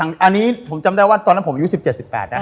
อันนี้ผมจำได้ว่าตอนนั้นผมอายุ๑๗๑๘นะ